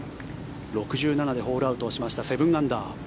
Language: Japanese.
６７でホールアウトしました７アンダー。